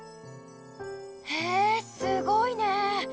へえすごいね！